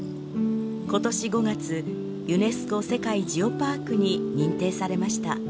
今年５月ユネスコ世界ジオパークに認定されました。